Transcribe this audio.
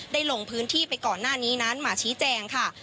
ลงพื้นที่ไปก่อนหน้านี้นั้นมาชี้แจงค่ะ